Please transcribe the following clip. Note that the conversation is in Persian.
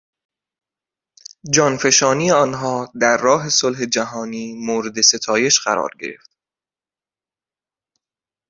جانفشانی آنها در راه صلح جهانی مورد ستایش قرار گرفت.